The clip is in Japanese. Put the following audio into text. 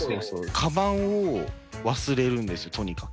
かばんを忘れるんですよ、とにかく。